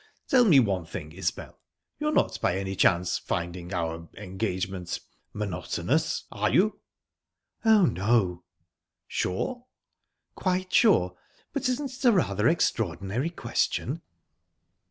"Tell me one thing, Isbel you're not by any chance finding our engagement... monotonous, are you?" "Oh, no." "Sure?" "Quite sure. But isn't it a rather extraordinary question?"